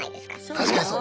確かにそう。